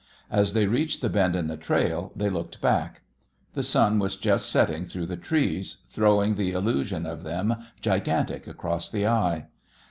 As they reached the bend in the trail, they looked back. The sun was just setting through the trees, throwing the illusion of them gigantic across the eye.